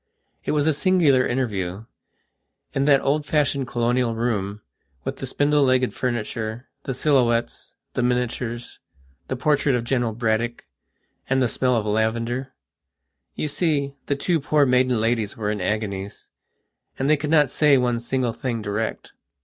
It was a singular interview, in that old fashioned colonial room, with the spindle legged furniture, the silhouettes, the miniatures, the portrait of General Braddock, and the smell of lavender. You see, the two poor maiden ladies were in agoniesand they could not say one single thing direct.